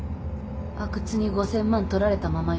阿久津に５，０００万取られたままよ。